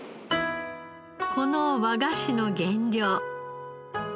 この和菓子の原料。